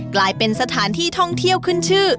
กลายเป็นสถานที่ท่องเที่ยวขึ้นชื่อ